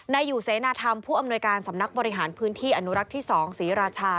นายอยู่เสนาธรรมผู้อำนวยการสำนักบริหารพื้นที่อนุรักษ์ที่๒ศรีราชา